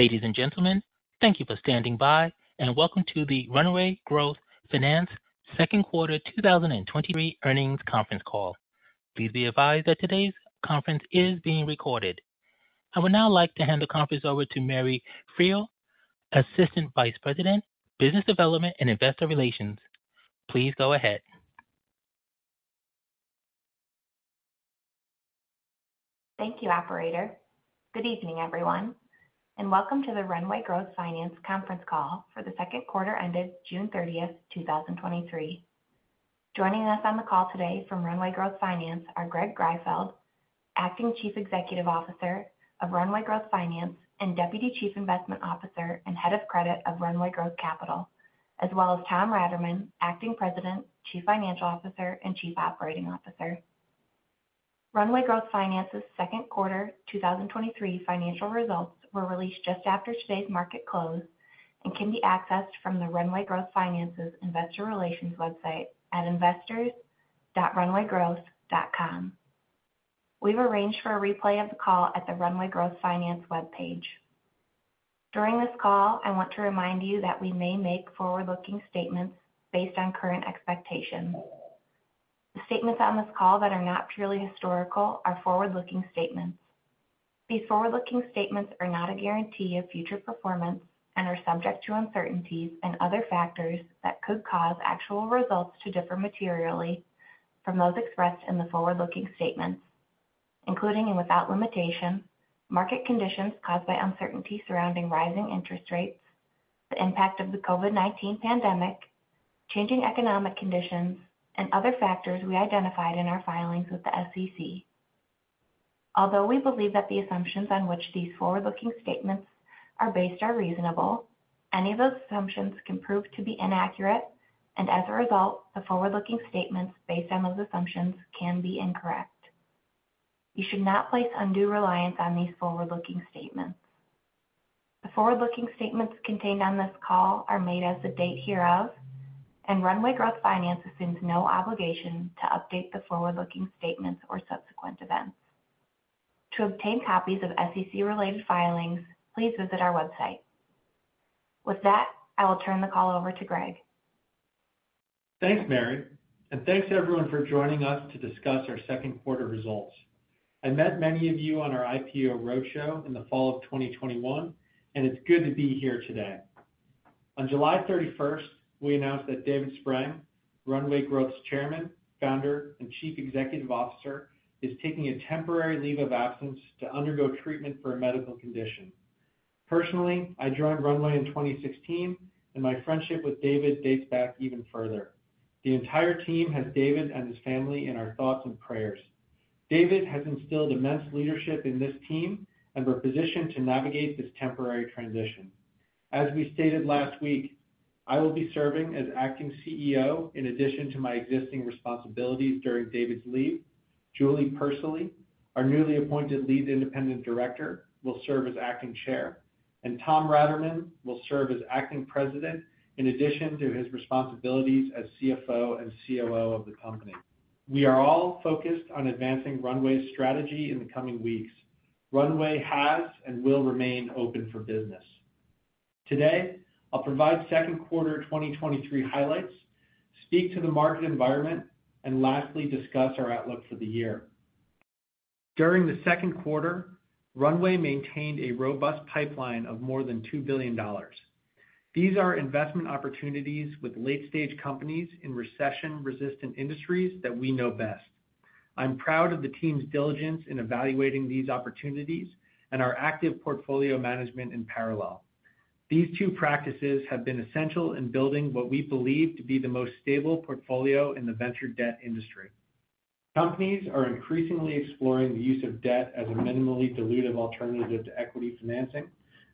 Ladies and gentlemen, thank you for standing by and welcome to the Runway Growth Finance second quarter 2023 earnings conference call. Please be advised that today's conference is being recorded. I would now like to hand the conference over to Mary Friel, Assistant Vice President, Business Development and Investor Relations. Please go ahead. Thank you, operator. Good evening, everyone, and welcome to the Runway Growth Finance conference call for the second quarter ended June 30th, 2023. Joining us on the call today from Runway Growth Finance are Greg Greifeld, Acting Chief Executive Officer of Runway Growth Finance and Deputy Chief Investment Officer and Head of Credit of Runway Growth Capital, as well as Tom Raterman, Acting President, Chief Financial Officer and Chief Operating Officer. Runway Growth Finance's second quarter 2023 financial results were released just after today's market close and can be accessed from the Runway Growth Finance's Investor Relations website at investors.runwaygrowth.com. We've arranged for a replay of the call at the Runway Growth Finance webpage. During this call, I want to remind you that we may make forward-looking statements based on current expectations. The statements on this call that are not purely historical are forward-looking statements. These forward-looking statements are not a guarantee of future performance and are subject to uncertainties and other factors that could cause actual results to differ materially from those expressed in the forward-looking statements, including and without limitation, market conditions caused by uncertainty surrounding rising interest rates, the impact of the COVID-19 pandemic, changing economic conditions, and other factors we identified in our filings with the SEC. Although we believe that the assumptions on which these forward-looking statements are based are reasonable, any of those assumptions can prove to be inaccurate, and as a result, the forward-looking statements based on those assumptions can be incorrect. You should not place undue reliance on these forward-looking statements. The forward-looking statements contained on this call are made as of the date hereof, and Runway Growth Finance assumes no obligation to update the forward-looking statements or subsequent events. To obtain copies of SEC-related filings, please visit our website. With that, I will turn the call over to Greg. Thanks, Mary, and thanks everyone for joining us to discuss our second quarter results. I met many of you on our IPO roadshow in the fall of 2021, and it's good to be here today. On July 31st, we announced that David Spreng, Runway Growth's Chairman, Founder, and Chief Executive Officer, is taking a temporary leave of absence to undergo treatment for a medical condition. Personally, I joined Runway in 2016, and my friendship with David dates back even further. The entire team has David and his family in our thoughts and prayers. David has instilled immense leadership in this team, and we're positioned to navigate this temporary transition. As we stated last week, I will be serving as Acting CEO in addition to my existing responsibilities during David's leave. Julie Persily, our newly appointed Lead Independent Director, will serve as Acting Chair, and Tom Raterman will serve as Acting President in addition to his responsibilities as CFO and COO of the company. We are all focused on advancing Runway's strategy in the coming weeks. Runway has and will remain open for business. Today, I'll provide second quarter 2023 highlights, speak to the market environment, and lastly, discuss our outlook for the year. During the second quarter, Runway maintained a robust pipeline of more than $2 billion. These are investment opportunities with late-stage companies in recession-resistant industries that we know best. I'm proud of the team's diligence in evaluating these opportunities and our active portfolio management in parallel. These two practices have been essential in building what we believe to be the most stable portfolio in the venture debt industry. Companies are increasingly exploring the use of debt as a minimally dilutive alternative to equity financing,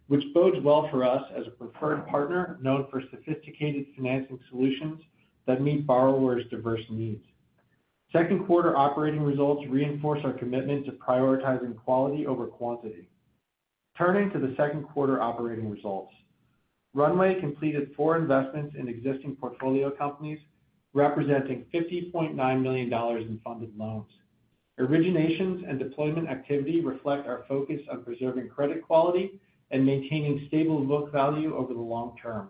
which bodes well for us as a preferred partner known for sophisticated financing solutions that meet borrowers' diverse needs. Second quarter operating results reinforce our commitment to prioritizing quality over quantity. Turning to the second quarter operating results, Runway completed four investments in existing portfolio companies, representing $50.9 million in funded loans. Originations and deployment activity reflect our focus on preserving credit quality and maintaining stable book value over the long term.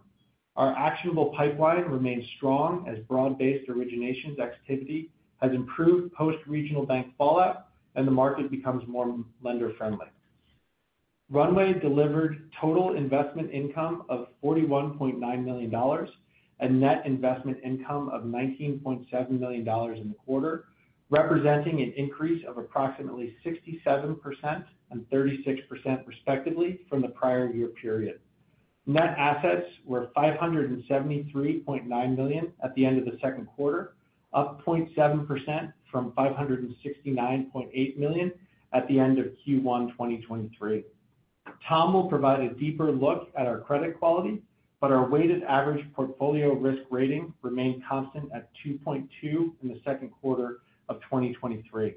Our actionable pipeline remains strong as broad-based originations activity has improved post-regional bank fallout and the market becomes more lender-friendly. Runway delivered total investment income of $41.9 million, a net investment income of $19.7 million in the quarter, representing an increase of approximately 67% and 36%, respectively, from the prior year period. Net assets were $573.9 million at the end of the second quarter, up 0.7% from $569.8 million at the end of Q1 2023. Tom will provide a deeper look at our credit quality, our weighted average portfolio risk rating remained constant at 2.2 in the second quarter of 2023.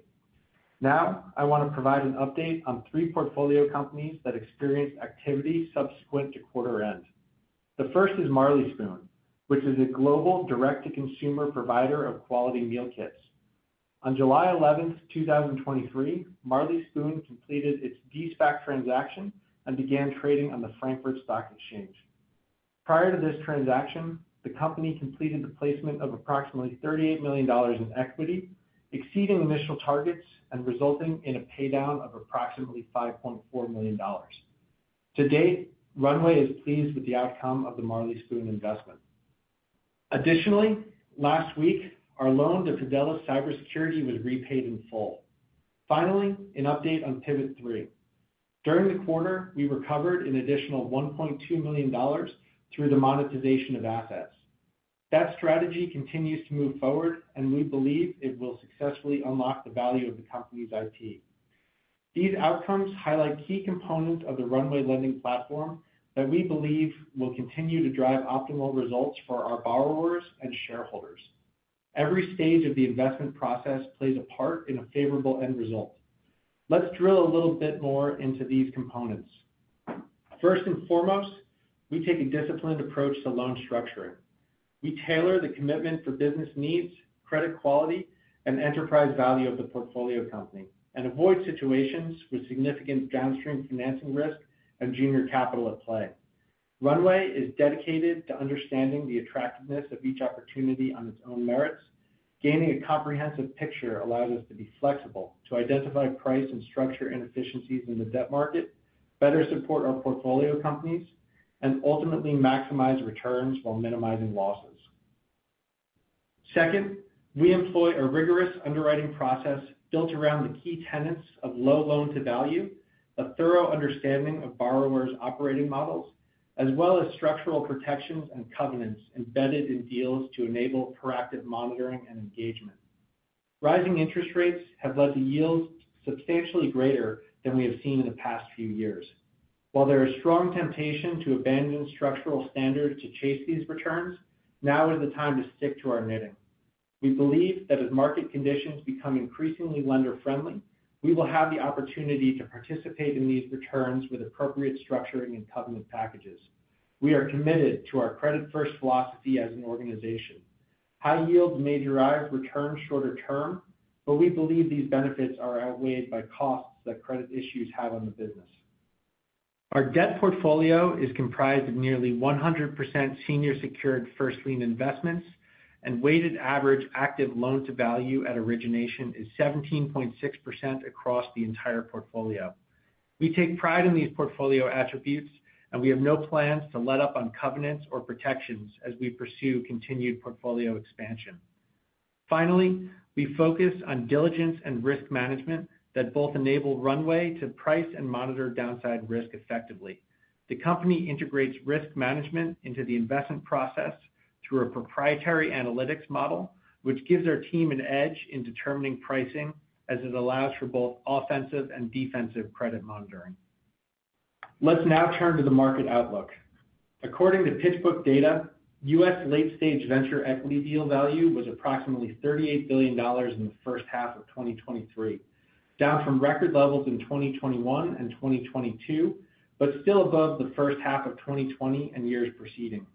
I want to provide an update on three portfolio companies that experienced activity subsequent to quarter end. The first is Marley Spoon, which is a global direct-to-consumer provider of quality meal kits. On July 11th, 2023, Marley Spoon completed its de-SPAC transaction and began trading on the Frankfurt Stock Exchange. Prior to this transaction, the company completed the placement of approximately $38 million in equity, exceeding initial targets and resulting in a paydown of approximately $5.4 million. To date, Runway is pleased with the outcome of the Marley Spoon investment. Additionally, last week, our loan to Fidelis Cybersecurity was repaid in full. Finally, an update on Pivot3. During the quarter, we recovered an additional $1.2 million through the monetization of assets. That strategy continues to move forward, and we believe it will successfully unlock the value of the company's IP. These outcomes highlight key components of the Runway lending platform that we believe will continue to drive optimal results for our borrowers and shareholders. Every stage of the investment process plays a part in a favorable end result. Let's drill a little bit more into these components. First and foremost, we take a disciplined approach to loan structuring. We tailor the commitment for business needs, credit quality, and enterprise value of the portfolio company, and avoid situations with significant downstream financing risk and junior capital at play. Runway is dedicated to understanding the attractiveness of each opportunity on its own merits. Gaining a comprehensive picture allows us to be flexible, to identify price and structure inefficiencies in the debt market, better support our portfolio companies, and ultimately maximize returns while minimizing losses. Second, we employ a rigorous underwriting process built around the key tenets of low loan-to-value, a thorough understanding of borrowers' operating models, as well as structural protections and covenants embedded in deals to enable proactive monitoring and engagement. Rising interest rates have led to yields substantially greater than we have seen in the past few years. While there is strong temptation to abandon structural standards to chase these returns, now is the time to stick to our knitting. We believe that as market conditions become increasingly lender-friendly, we will have the opportunity to participate in these returns with appropriate structuring and covenant packages. We are committed to our credit-first philosophy as an organization. High yields may derive returns shorter term, but we believe these benefits are outweighed by costs that credit issues have on the business. Our debt portfolio is comprised of nearly 100% senior secured first lien investments, and weighted average active loan-to-value at origination is 17.6% across the entire portfolio. We take pride in these portfolio attributes, and we have no plans to let up on covenants or protections as we pursue continued portfolio expansion. We focus on diligence and risk management that both enable Runway to price and monitor downside risk effectively. The company integrates risk management into the investment process through a proprietary analytics model, which gives our team an edge in determining pricing, as it allows for both offensive and defensive credit monitoring. Let's now turn to the market outlook. According to PitchBook data, U.S. late stage venture equity deal value was approximately $38 billion in the first half of 2023, down from record levels in 2021 and 2022, but still above the first half of 2020 and years preceding.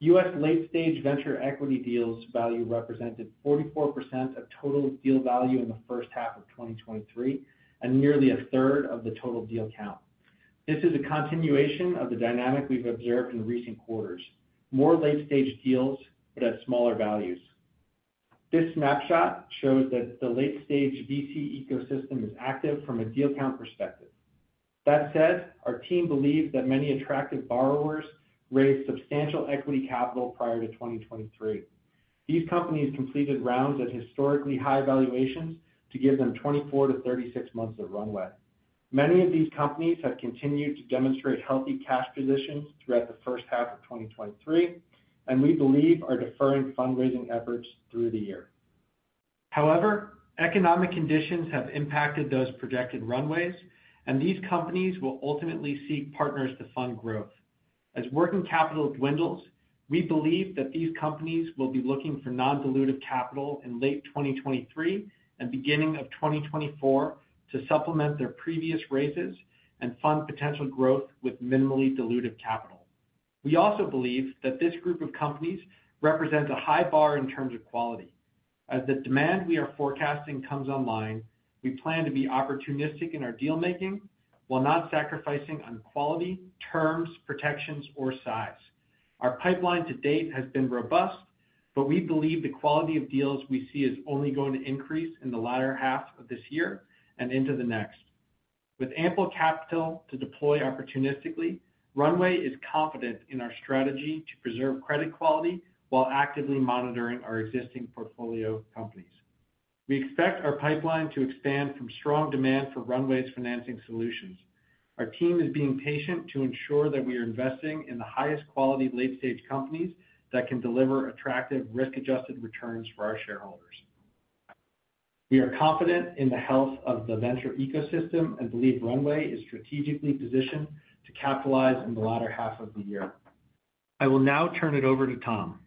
U.S. late stage venture equity deals value represented 44% of total deal value in the first half of 2023, and nearly a third of the total deal count. This is a continuation of the dynamic we've observed in recent quarters, more late stage deals but at smaller values. This snapshot shows that the late stage VC ecosystem is active from a deal count perspective. That said, our team believes that many attractive borrowers raised substantial equity capital prior to 2023. These companies completed rounds at historically high valuations to give them 24-36 months of runway. Many of these companies have continued to demonstrate healthy cash positions throughout the first half of 2023, and we believe are deferring fundraising efforts through the year. However, economic conditions have impacted those projected runways, and these companies will ultimately seek partners to fund growth. As working capital dwindles, we believe that these companies will be looking for non-dilutive capital in late 2023 and beginning of 2024 to supplement their previous raises and fund potential growth with minimally dilutive capital. We also believe that this group of companies represents a high bar in terms of quality. As the demand we are forecasting comes online, we plan to be opportunistic in our deal-making, while not sacrificing on quality, terms, protections, or size. Our pipeline to date has been robust, but we believe the quality of deals we see is only going to increase in the latter half of this year and into the next. With ample capital to deploy opportunistically, Runway is confident in our strategy to preserve credit quality while actively monitoring our existing portfolio companies. We expect our pipeline to expand from strong demand for Runway's financing solutions. Our team is being patient to ensure that we are investing in the highest quality late-stage companies that can deliver attractive risk-adjusted returns for our shareholders. We are confident in the health of the venture ecosystem and believe Runway is strategically positioned to capitalize in the latter half of the year. I will now turn it over to Tom.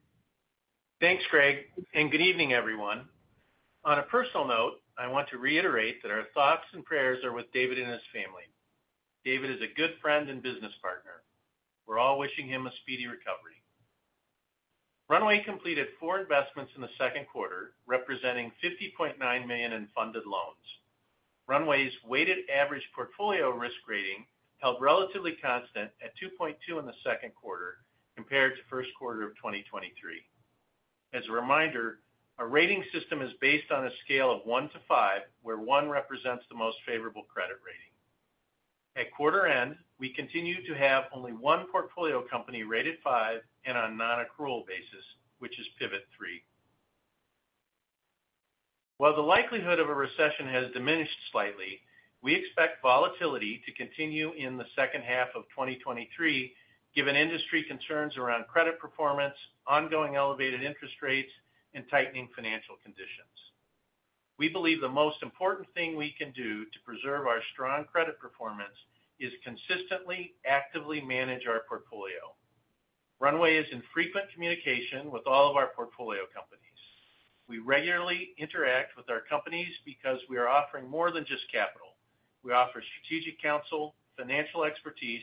Thanks, Greg. Good evening, everyone. On a personal note, I want to reiterate that our thoughts and prayers are with David and his family. David is a good friend and business partner. We're all wishing him a speedy recovery. Runway completed 4 investments in the second quarter, representing $50.9 million in funded loans. Runway's weighted average portfolio risk rating held relatively constant at 2.2 in the second quarter compared to first quarter of 2023. As a reminder, our rating system is based on a scale of 1 to 5, where 1 represents the most favorable credit rating. At quarter end, we continue to have only 1 portfolio company rated 5 and on a non-accrual basis, which is Pivot3. While the likelihood of a recession has diminished slightly, we expect volatility to continue in the second half of 2023, given industry concerns around credit performance, ongoing elevated interest rates, and tightening financial conditions. We believe the most important thing we can do to preserve our strong credit performance is consistently, actively manage our portfolio. Runway is in frequent communication with all of our portfolio companies. We regularly interact with our companies because we are offering more than just capital. We offer strategic counsel, financial expertise,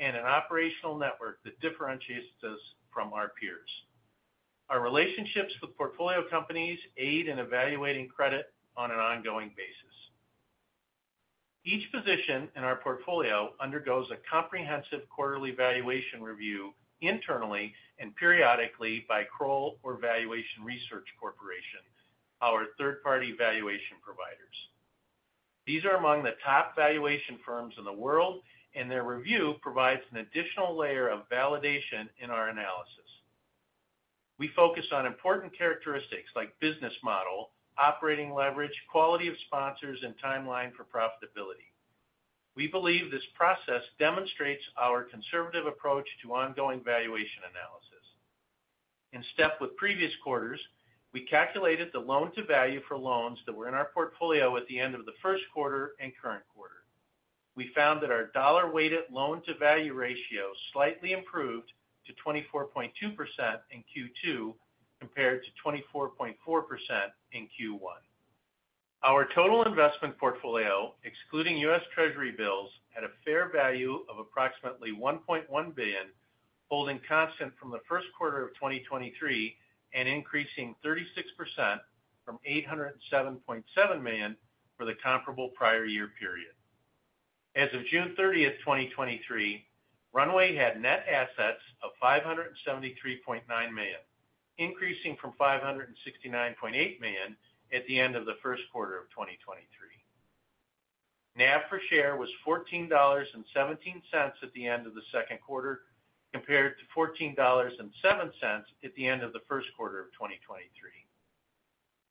and an operational network that differentiates us from our peers. Our relationships with portfolio companies aid in evaluating credit on an ongoing basis. Each position in our portfolio undergoes a comprehensive quarterly valuation review internally and periodically by Kroll or Valuation Research Corporation, our third-party valuation providers. These are among the top valuation firms in the world, their review provides an additional layer of validation in our analysis. We focus on important characteristics like business model, operating leverage, quality of sponsors, and timeline for profitability. We believe this process demonstrates our conservative approach to ongoing valuation analysis. In step with previous quarters, we calculated the loan-to-value for loans that were in our portfolio at the end of the first quarter and current quarter. We found that our dollar-weighted loan-to-value ratio slightly improved to 24.2% in Q2, compared to 24.4% in Q1. Our total investment portfolio, excluding U.S. Treasury bills, had a fair value of approximately $1.1 billion, holding constant from the first quarter of 2023 and increasing 36% from $807.7 million for the comparable prior year period. As of June 30, 2023, Runway had net assets of $573.9 million, increasing from $569.8 million at the end of the 1st quarter of 2023. NAV per share was $14.17 at the end of the 2nd quarter, compared to $14.07 at the end of the first quarter of 2023.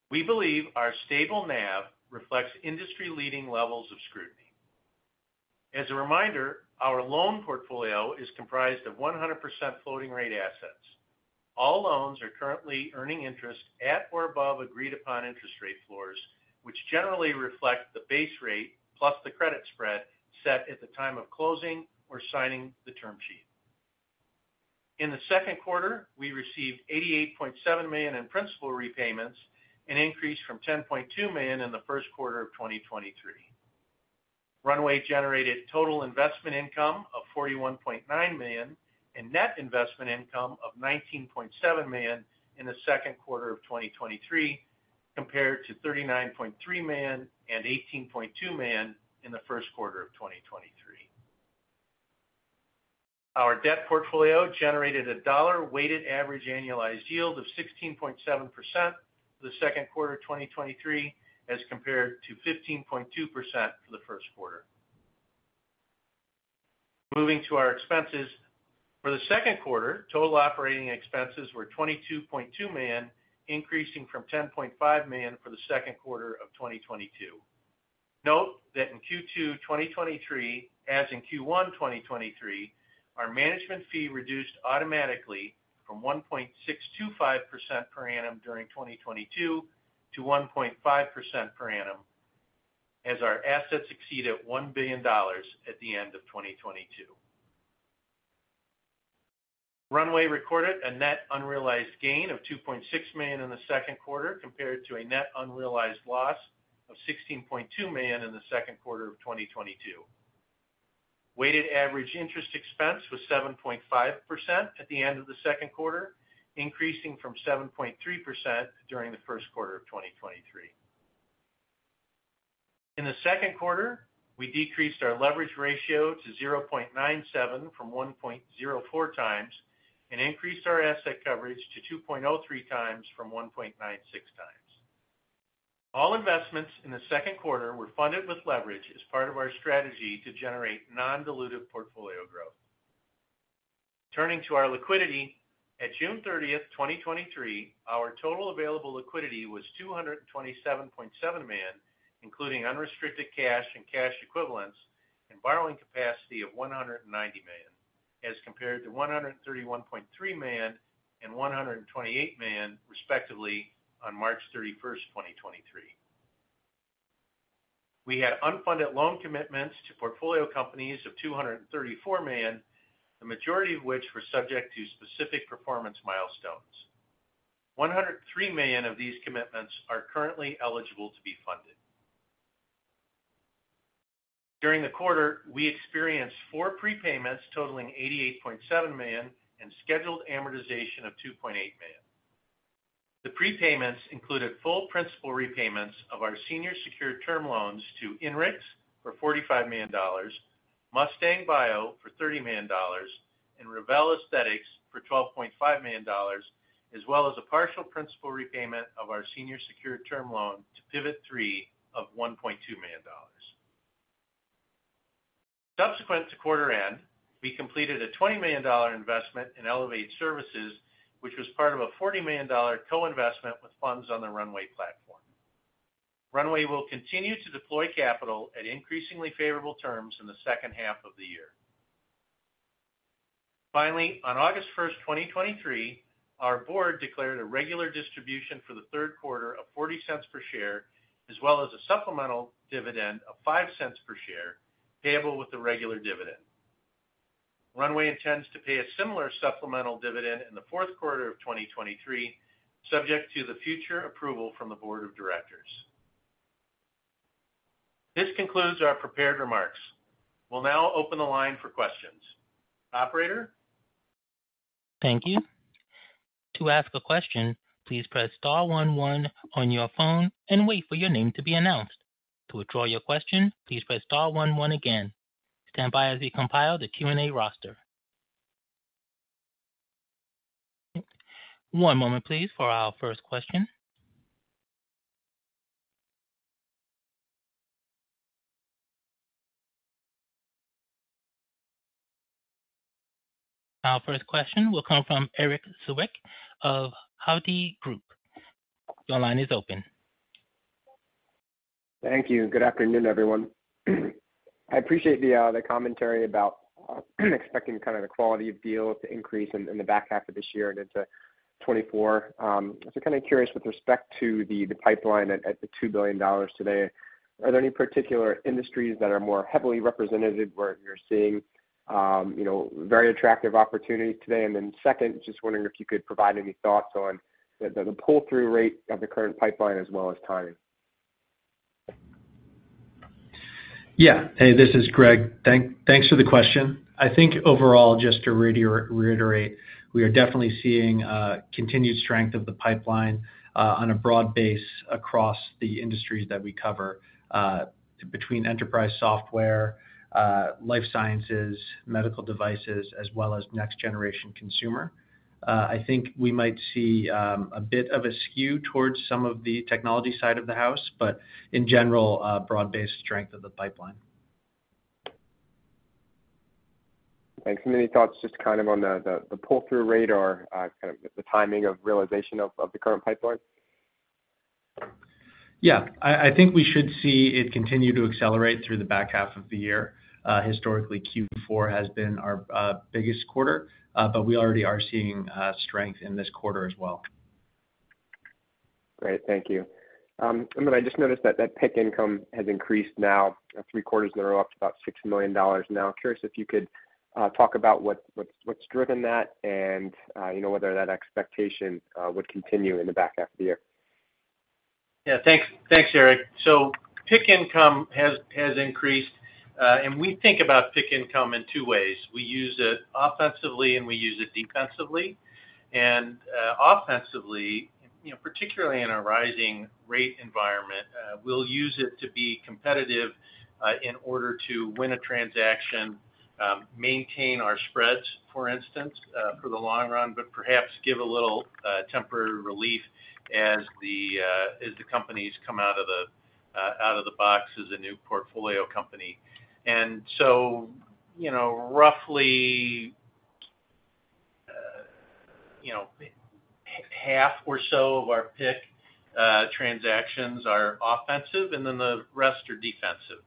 We believe our stable NAV reflects industry-leading levels of scrutiny. As a reminder, our loan portfolio is comprised of 100% floating-rate assets. All loans are currently earning interest at or above agreed-upon interest rate floors, which generally reflect the base rate plus the credit spread set at the time of closing or signing the term sheet. In the second quarter, we received $88.7 million in principal repayments, an increase from $10.2 million in the first quarter of 2023. Runway generated total investment income of $41.9 million, and net investment income of $19.7 million in the second quarter of 2023, compared to $39.3 million and $18.2 million in the first quarter of 2023. Our debt portfolio generated a dollar-weighted average annualized yield of 16.7% for the second quarter of 2023, as compared to 15.2% for the first quarter. Moving to our expenses. For the second quarter, total operating expenses were $22.2 million, increasing from $10.5 million for the second quarter of 2022. Note that in Q2 2023, as in Q1 2023, our management fee reduced automatically from 1.625% per annum during 2022 to 1.5% per annum, as our assets exceeded $1 billion at the end of 2022. Runway recorded a net unrealized gain of $2.6 million in the second quarter, compared to a net unrealized loss of $16.2 million in the second quarter of 2022. Weighted average interest expense was 7.5% at the end of the second quarter, increasing from 7.3% during the first quarter of 2023. In the second quarter, we decreased our leverage ratio to 0.97 from 1.04 times, and increased our asset coverage to 2.03 times from 1.96 times. All investments in the second quarter were funded with leverage as part of our strategy to generate non-dilutive portfolio growth. Turning to our liquidity, at June 30, 2023, our total available liquidity was $227.7 million, including unrestricted cash and cash equivalents and borrowing capacity of $190 million, as compared to $131.3 million and $128 million, respectively, on March 31, 2023. We had unfunded loan commitments to portfolio companies of $234 million, the majority of which were subject to specific performance milestones. $103 million of these commitments are currently eligible to be funded. During the quarter, we experienced four prepayments totaling $88.7 million and scheduled amortization of $2.8 million. The prepayments included full principal repayments of our senior secured term loans to INRIX for $45 million, Mustang Bio for $30 million, and Revelle Aesthetics for $12.5 million, as well as a partial principal repayment of our senior secured term loan to Pivot3 of $1.2 million. Subsequent to quarter end, we completed a $20 million investment in Elevate Services, which was part of a $40 million co-investment with funds on the Runway platform. Runway will continue to deploy capital at increasingly favorable terms in the second half of the year. Finally, on August 1, 2023, our board declared a regular distribution for the third quarter of $0.40 per share, as well as a supplemental dividend of $0.05 per share, payable with the regular dividend. Runway intends to pay a similar supplemental dividend in the fourth quarter of 2023, subject to the future approval from the board of directors. This concludes our prepared remarks. We'll now open the line for questions. Operator? Thank you. To ask a question, please press star one one on your phone and wait for your name to be announced. To withdraw your question, please press star one one again. Stand by as we compile the Q&A roster. One moment, please, for our first question. Our first question will come from Eric Sobek of Hovde Group. Your line is open. Thank you. Good afternoon, everyone. I appreciate the commentary about expecting kind of the quality of deals to increase in the back half of this year and into 2024. Kind of curious with respect to the pipeline at the $2 billion today, are there any particular industries that are more heavily represented where you're seeing, you know, very attractive opportunities today? Second, just wondering if you could provide any thoughts on the pull-through rate of the current pipeline as well as timing. Yeah. Hey, this is Greg. Thanks for the question. I think overall, just to reiterate, we are definitely seeing continued strength of the pipeline on a broad base across the industries that we cover between enterprise software, life sciences, medical devices, as well as next generation consumer. I think we might see a bit of a skew towards some of the technology side of the house, but in general, a broad-based strength of the pipeline. Thanks. Any thoughts just kind of on the, the, the pull-through rate or, kind of the timing of realization of, of the current pipeline? Yeah. I think we should see it continue to accelerate through the back half of the year. Historically, Q4 has been our biggest quarter, but we already are seeing strength in this quarter as well. Great. Thank you. I just noticed that that PIK income has increased now three quarters in a row, up to about $6 million now. I'm curious if you could talk about what's, what's, what's driven that and, you know, whether that expectation would continue in the back half of the year? Yeah, thanks. Thanks, Eric. PIK income has, has increased, and we think about PIK income in two ways. We use it offensively, and we use it defensively. Offensively, you know, particularly in a rising rate environment, we'll use it to be competitive in order to win a transaction, maintain our spreads, for instance, for the long run, but perhaps give a little temporary relief as the companies come out of the out of the box as a new portfolio company. You know, roughly, you know, half or so of our PIK transactions are offensive, and then the rest are defensive.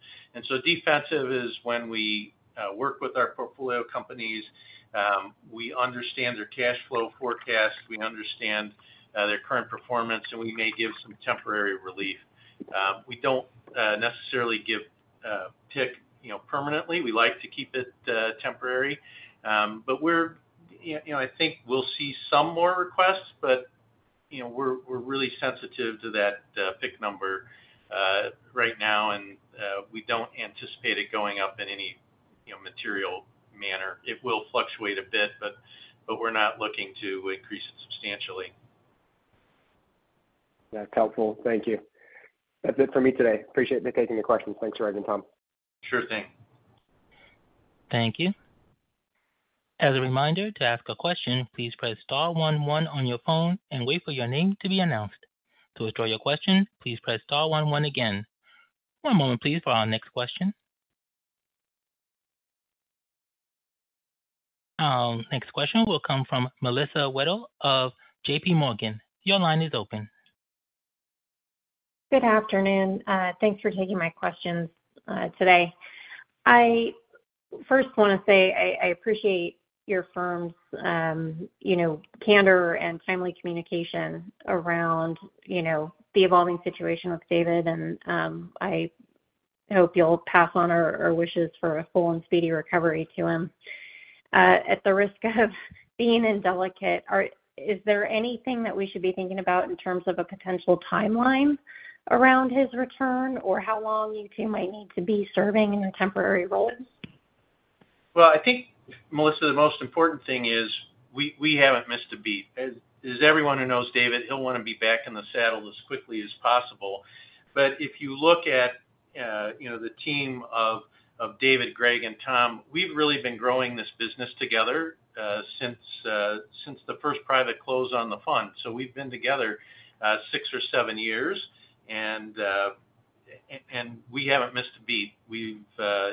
Defensive is when we work with our portfolio companies, we understand their cash flow forecast, we understand their current performance, and we may give some temporary relief. We don't necessarily give PIK, you know, permanently. We like to keep it temporary. We're, you know, I think we'll see some more requests, but, you know, we're really sensitive to that PIK number right now, and we don't anticipate it going up in any, you know, material manner. It will fluctuate a bit, but we're not looking to increase it substantially. Yeah, helpful. Thank you. That's it for me today. Appreciate taking the questions. Thanks, Eric and Tom. Sure thing. Thank you. As a reminder, to ask a question, please press star 11 on your phone and wait for your name to be announced. To withdraw your question, please press star 11 again. One moment, please, for our next question. Our next question will come from Melissa Wedel of JPMorgan. Your line is open. Good afternoon. Thanks for taking my questions today. I first wanna say I, I appreciate your firm's, you know, candor and timely communication around, you know, the evolving situation with David, and I hope you'll pass on our, our wishes for a full and speedy recovery to him. At the risk of being indelicate, is there anything that we should be thinking about in terms of a potential timeline around his return? Or how long you two might need to be serving in your temporary roles? Well, I think, Melissa, the most important thing is we, we haven't missed a beat. As, as everyone who knows David, he'll want to be back in the saddle as quickly as possible. If you look at, you know, the team of, of David, Greg, and Tom, we've really been growing this business together, since, since the first private close on the fund. We've been together, six or seven years, and, and, and we haven't missed a beat. We've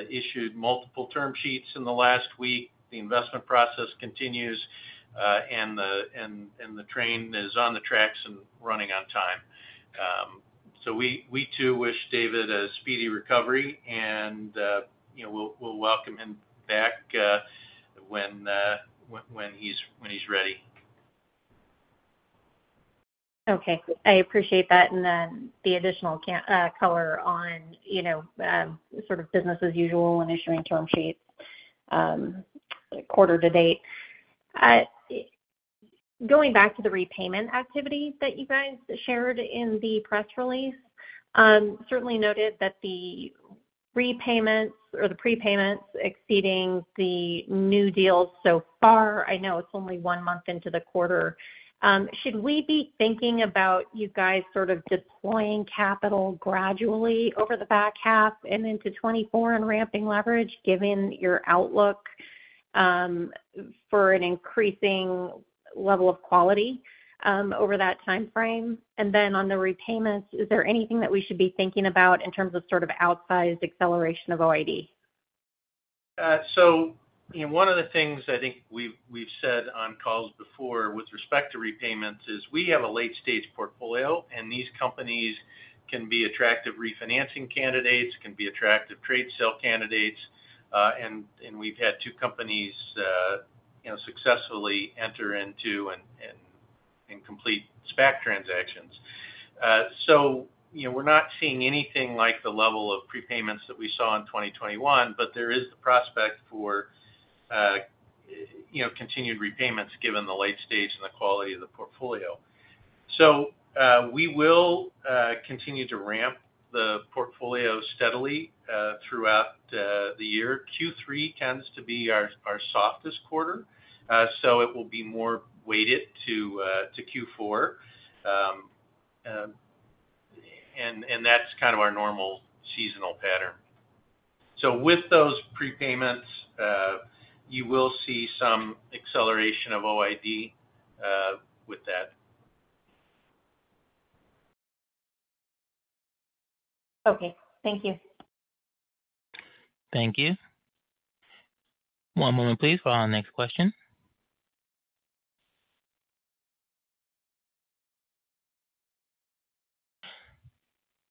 issued multiple term sheets in the last week. The investment process continues, and the, and, and the train is on the tracks and running on time. We, we too wish David a speedy recovery, and, you know, we'll, we'll welcome him back, when, when, when he's, when he's ready. Okay. I appreciate that, then the additional color on, you know, sort of business as usual and issuing term sheets, quarter to date. Going back to the repayment activity that you guys shared in the press release, certainly noted that the repayments or the prepayments exceeding the new deals so far. I know it's only 1 month into the quarter. Should we be thinking about you guys sort of deploying capital gradually over the back half and into 2024 and ramping leverage, given your outlook, for an increasing level of quality, over that time frame? Then on the repayments, is there anything that we should be thinking about in terms of sort of outsized acceleration of OID? One of the things I think we've, we've said on calls before with respect to repayments is we have a late-stage portfolio, and these companies can be attractive refinancing candidates, can be attractive trade sale candidates, and we've had 2 companies, you know, successfully enter into and complete SPAC transactions. You know, we're not seeing anything like the level of prepayments that we saw in 2021, but there is the prospect for, you know, continued repayments given the late stage and the quality of the portfolio. We will, continue to ramp the portfolio steadily, throughout, the year. Q3 tends to be our, our softest quarter, so it will be more weighted to, to Q4. That's kind of our normal seasonal pattern. With those prepayments, you will see some acceleration of OID with that. Okay. Thank you. Thank you. One moment, please, for our next question.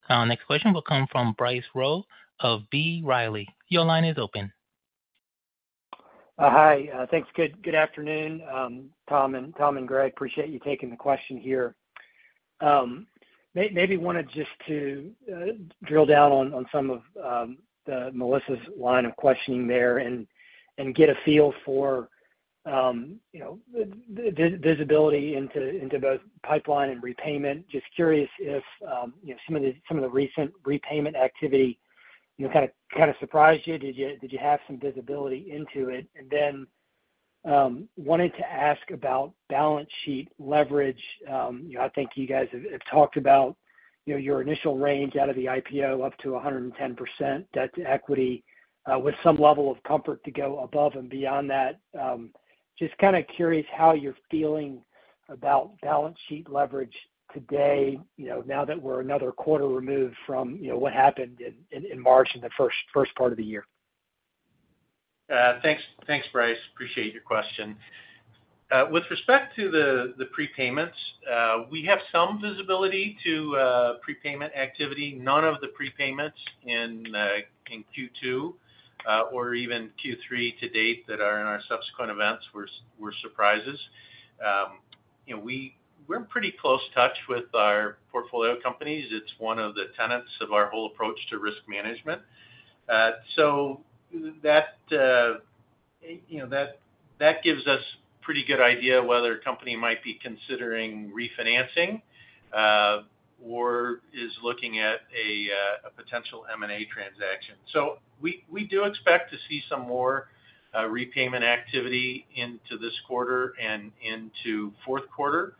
Our next question will come from Bryce Rowe of B. Riley. Your line is open. Hi. Thanks. Good, good afternoon, Tom and Greg. Appreciate you taking the question here. Maybe wanted just to drill down on, on some of the Melissa's line of questioning there and, and get a feel for, you know, the, the visibility into, into both pipeline and repayment. Just curious if, you know, some of the, some of the recent repayment activity, you know, kind of surprised you. Did you, did you have some visibility into it? Then, wanted to ask about balance sheet leverage. You know, I think you guys have talked about, you know, your initial range out of the IPO up to 110% debt to equity, with some level of comfort to go above and beyond that. Just kind of curious how you're feeling about balance sheet leverage today, now that we're another quarter removed from what happened in March, in the first part of the year? Thanks. Thanks, Bryce. Appreciate your question. With respect to the, the prepayments, we have some visibility to prepayment activity. None of the prepayments in Q2, or even Q3 to date that are in our subsequent events were, were surprises. You know, we're in pretty close touch with our portfolio companies. It's one of the tenets of our whole approach to risk management. That, you know, that, that gives us pretty good idea of whether a company might be considering refinancing, or is looking at a potential M&A transaction. We, we do expect to see some more repayment activity into this quarter and into fourth quarter.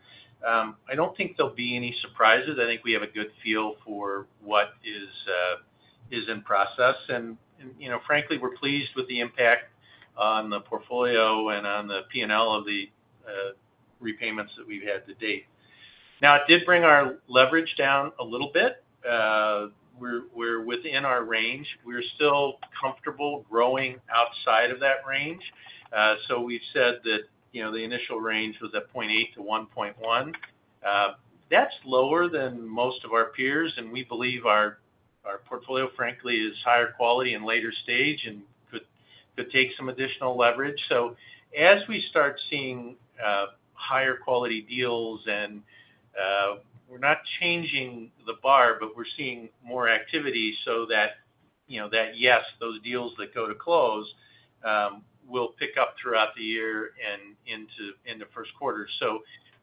I don't think there'll be any surprises. I think we have a good feel for what is in process. You know, frankly, we're pleased with the impact on the portfolio and on the P&L of the repayments that we've had to date. Now, it did bring our leverage down a little bit. We're, we're within our range. We're still comfortable growing outside of that range. So we've said that, you know, the initial range was at 0.8 to 1.1. That's lower than most of our peers, and we believe our, our portfolio, frankly, is higher quality and later stage and could, could take some additional leverage. As we start seeing higher quality deals, and we're not changing the bar, but we're seeing more activity so that, you know, that, yes, those deals that go to close, will pick up throughout the year and into in the first quarter.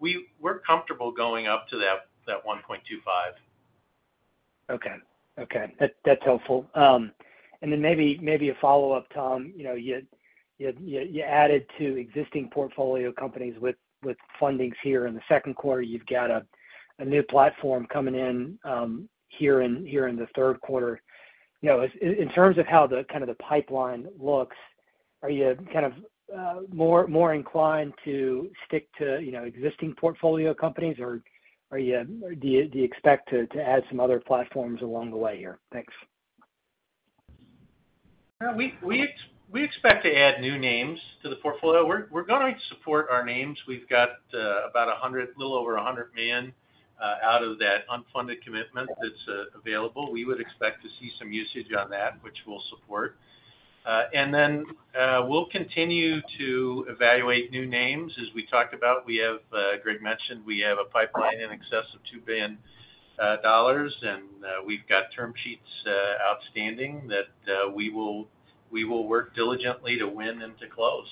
We're comfortable going up to that, that 1.25. Okay. Okay, that's, that's helpful. Maybe, maybe a follow-up, Tom. You know, you, you, you added to existing portfolio companies with, with fundings here in the second quarter. You've got a, a new platform coming in, here in, here in the third quarter. You know, in, in terms of how the kind of the pipeline looks, are you kind of, more, more inclined to stick to, you know, existing portfolio companies, or are you, do you, do you expect to, to add some other platforms along the way here? Thanks. We expect to add new names to the portfolio. We're going to support our names. We've got a little over $100 million out of that unfunded commitment that's available. We would expect to see some usage on that, which we'll support. We'll continue to evaluate new names. As we talked about, we have, Greg mentioned we have a pipeline in excess of $2 billion, and we've got term sheets outstanding that we will, we will work diligently to win and to close.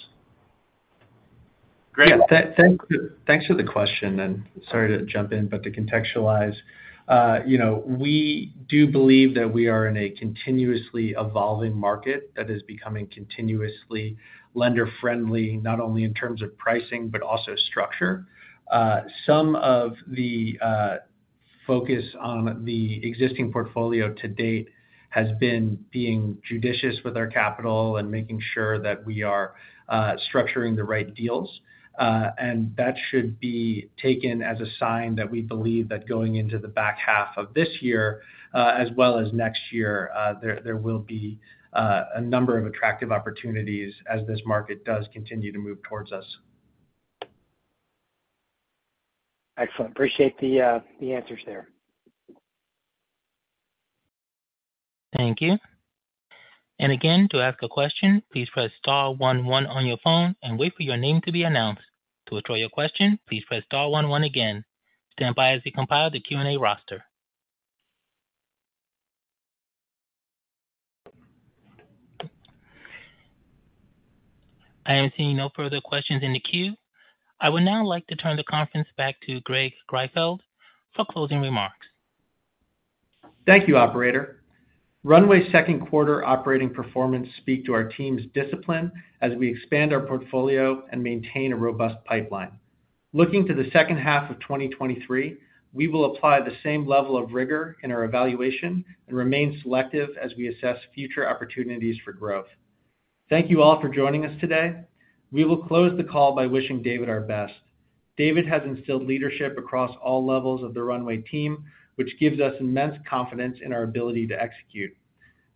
Great. Thanks for, thanks for the question. Sorry to jump in, but to contextualize, you know, we do believe that we are in a continuously evolving market that is becoming continuously lender-friendly, not only in terms of pricing, but also structure. Some of the focus on the existing portfolio to date has been being judicious with our capital and making sure that we are structuring the right deals. That should be taken as a sign that we believe that going into the back half of this year, as well as next year, there will be a number of attractive opportunities as this market does continue to move towards us. Excellent. Appreciate the, the answers there. Thank you. Again, to ask a question, please press star one one on your phone and wait for your name to be announced. To withdraw your question, please press star one one again. Stand by as we compile the Q&A roster. I see no further questions in the queue. I would now like to turn the conference back to Greg Greifeld for closing remarks. Thank you, operator. Runway's second quarter operating performance speak to our team's discipline as we expand our portfolio and maintain a robust pipeline. Looking to the second half of 2023, we will apply the same level of rigor in our evaluation and remain selective as we assess future opportunities for growth. Thank you all for joining us today. We will close the call by wishing David our best. David has instilled leadership across all levels of the Runway team, which gives us immense confidence in our ability to execute.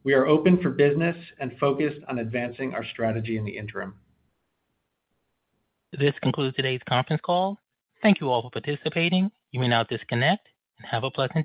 We are open for business and focused on advancing our strategy in the interim. This concludes today's conference call. Thank you all for participating. You may now disconnect, and have a pleasant day.